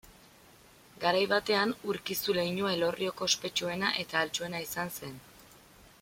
Garai batean Urkizu leinua Elorrioko ospetsuena eta ahaltsuena izan zen.